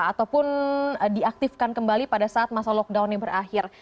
ataupun diaktifkan kembali pada saat masa lockdown yang berakhir